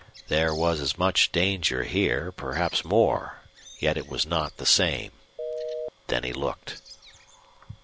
There was as much danger here, perhaps more, yet it was not the same. Then he looked.